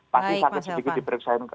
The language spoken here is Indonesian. pasti sakit sedikit diperiksain